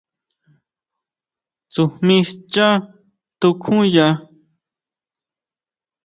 ¿Tsujmí schá tukjuya?